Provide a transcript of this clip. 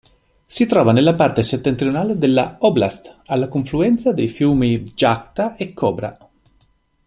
Si trova nella parte settentrionale della "oblast"', alla confluenza dei fiumi Vjatka e Kobra.